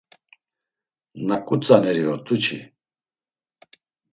Naǩu tzaneri ort̆u çi?